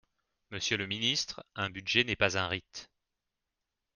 Monsieur le ministre, un budget n’est pas un rite.